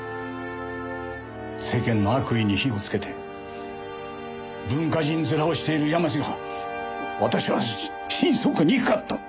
世間の悪意に火をつけて文化人面をしている山路が私は心底憎かった。